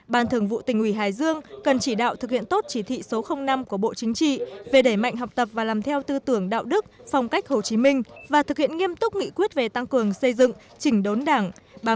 ban thường vụ tỉnh ủy hải dương cần chỉ đạo thực hiện tốt chỉ thị số năm của bộ chính trị về đẩy mạnh học tập và làm theo tư tưởng đạo đức phong cách hồ chí minh và thực hiện nghiêm túc nghị quyết về tăng cường xây dựng chỉnh đốn đảng